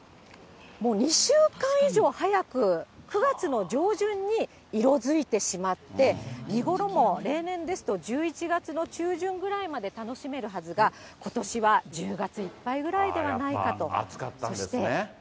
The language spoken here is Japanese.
もう２週間以上早く、９月の上旬に色づいてしまって、見頃も例年ですと、１１月の中旬ぐらいまで楽しめるはずが、ことしは１０月いっぱいぐらいではないかと。